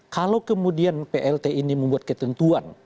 kalau kemudian plt ini membuat ketentuan